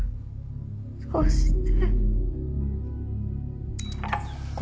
どうして。